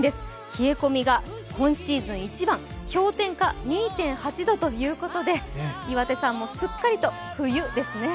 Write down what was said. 冷え込みが今シーズン一番、氷点下２．８度ということで、岩手山もすっかりと冬ですね。